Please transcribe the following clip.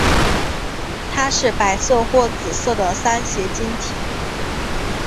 它是白色或紫色的三斜晶体。